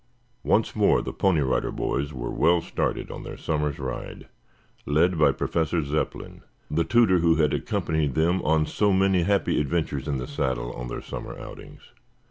Once more the Pony Rider Boys were well started on their summer's ride, led by Professor Zepplin, the tutor who had accompanied them on so many happy adventures in the saddle on their summer outings.